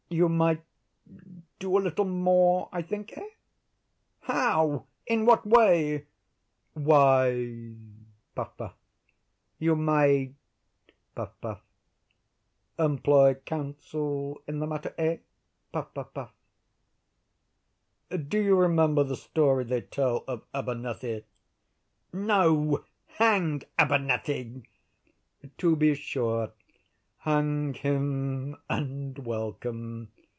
You might—do a little more, I think, eh?" "How?—in what way?" "Why—puff, puff—you might—puff, puff—employ counsel in the matter, eh?—puff, puff, puff. Do you remember the story they tell of Abernethy?" "No; hang Abernethy!" "To be sure! hang him and welcome.